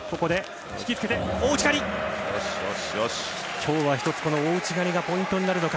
今日は１つ大内刈りがポイントになるのか。